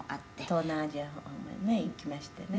「東南アジアの方もね行きましてね」